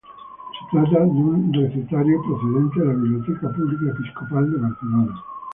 Se trata de un recetario procedente de la Biblioteca Pública Episcopal de Barcelona.